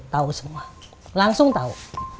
tahu semua langsung tau